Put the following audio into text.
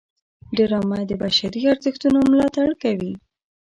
ډرامه د بشري ارزښتونو ملاتړ کوي